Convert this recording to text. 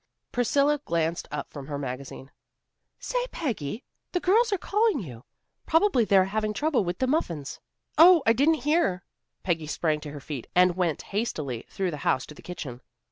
Priscilla glanced up from her magazine. "Say, Peggy, the girls are calling you. Probably they are having trouble with the muffins." "Oh, I didn't hear," Peggy sprang to her feet, and went hastily through the house to the kitchen.